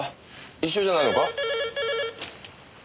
一緒じゃないのか？